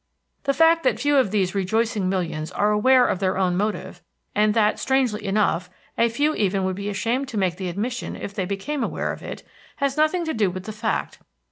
The fact that few of these rejoicing millions are aware of their own motive, and that, strangely enough, a few even would be ashamed to make the admission if they became aware of it, has nothing to do with the fact.